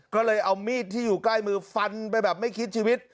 ก็เลยเอามีดที่อยู่ใกล้มือฟันไปแบบไม่คิดชีวิต